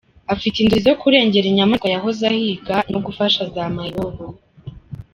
Afite inzozi zo kurengera inyamaswa yahoze ahiga no gufasha za mayibobo.